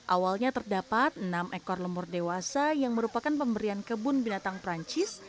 awalnya terdapat enam ekor lemur dewasa yang merupakan pemberian kebun binatang perancis